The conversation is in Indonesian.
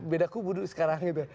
beda kubur sekarang